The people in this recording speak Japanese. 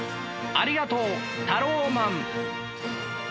ありがとうタローマン！